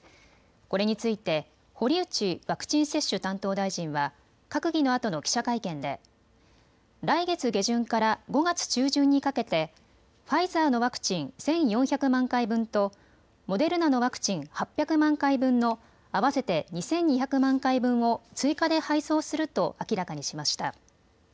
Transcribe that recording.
これについて堀内ワクチン接種担当大臣は閣議のあとの記者会見で来月下旬から５月中旬にかけてファイザーのワクチン１４００万回分とモデルナのワクチン８００万回分の合わせて２２００万回分を追加で配送すると明らかにしました。